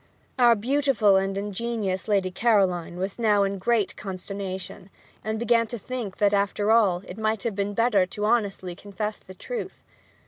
Our beautiful and ingenious Lady Caroline was now in great consternation; and began to think that, after all, it might have been better to honestly confess the truth.